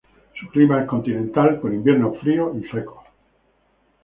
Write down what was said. Su clima es continental, con inviernos fríos y secos.